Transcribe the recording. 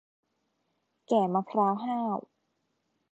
แก่มะพร้าวห้าว